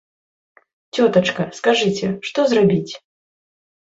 Цётачка, скажыце, што зрабіць?